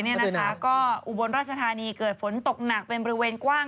เนี่ยนะคะก็อุบลราชธานีเกิดฝนตกหนักเป็นบริเวณกว้าง